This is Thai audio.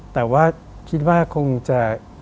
แต่ว่าคิดว่าคงจะ